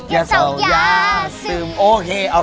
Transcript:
ขอบคุณค่ะ